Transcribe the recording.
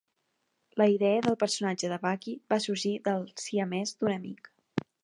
La idea del personatge de Bucky va sorgir del siamès d'un amic.